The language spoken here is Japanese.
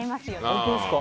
本当ですか。